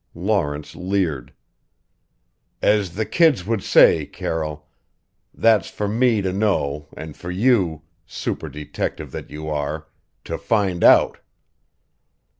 Lawrence leered. "As the kids would say, Carroll that's for me to know and for you super detective that you are to find out."